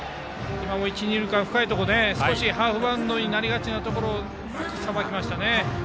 今も一、二塁間深いところ少しハーフバウンドになりがちなところをうまくさばきましたね。